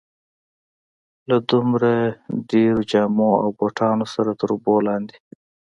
له دومره ډېرو جامو او بوټانو سره تر اوبو لاندې.